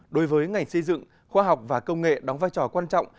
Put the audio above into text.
đối với ngành xây dựng khoa học và công nghệ đóng vai trò quan trọng